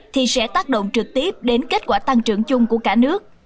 thì sẽ tác động trực tiếp đến kết quả tăng trưởng chung của cả nước